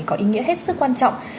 có ý nghĩa hết sức quan trọng